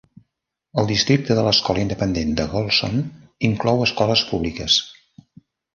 El districte de l'escola independent de Gholson inclou escoles públiques.